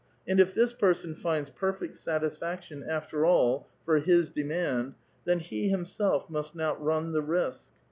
,.^^ if this person finds perfect satisfaction after all for his ^^^^nd, then he himself must not run the risk.